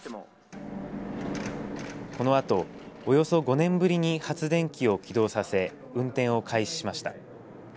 このあと、およそ５年ぶりに発電機を起動させ運転を開始しました。